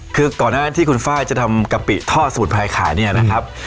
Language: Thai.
คือก่อนหน้าที่คุณไฟล์จะทำกะปิทอดสมุนไพรขายเนี่ยนะครับ